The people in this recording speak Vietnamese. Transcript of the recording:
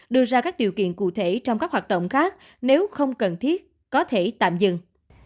đưa ra các điều kiện cụ thể trong các hoạt động khác nếu không cần thiết có thể tạm dừng